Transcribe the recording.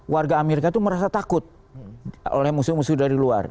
warga amerika itu merasa takut oleh musuh musuh dari luar